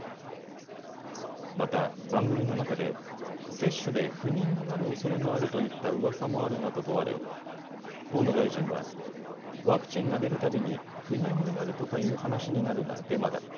また番組の中で接種で不妊になるおそれがあるといったうわさもあるがと問われ河野大臣はワクチンが出るたびに不妊になるとかいう話になるがデマだ。